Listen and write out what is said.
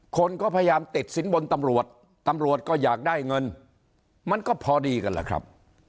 คนก็พยายามติดสินบนตำรวจตำรวจตำรวจก็อยากได้เงินมันก็พอดีกันแหละครับ